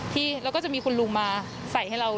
ที่เราก็จะมีคุณลุงมาใส่ให้เรา